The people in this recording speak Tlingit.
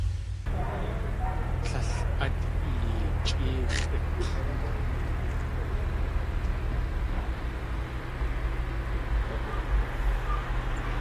Líl át yichʼéex̲ʼik̲!